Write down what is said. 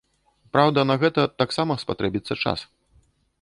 Праўда, на гэта таксама спатрэбіцца час.